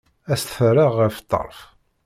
Ad s-t-rreɣ ɣer ṭṭerf.